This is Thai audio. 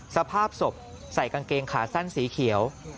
สภาพศพใส่กางเกงขาสั้นสีเขียว